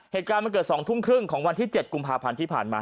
เหตุการณ์มันเกิด๒ทุ่มครึ่งของวันที่๗กุมภาพันธ์ที่ผ่านมา